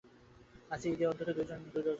আসছে ঈদে অন্তত দুই ডজন নাটকে দেখা যাবে তাঁকে।